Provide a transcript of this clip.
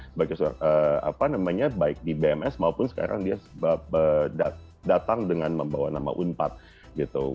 sebagai seorang apa namanya baik di bms maupun sekarang dia datang dengan membawa nama unpad gitu